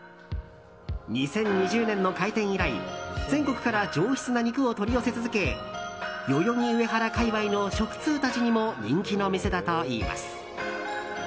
２０２０年の開店以来全国から上質な肉を取り寄せ続け代々木上原界隈の食通たちにも人気の店だといいます。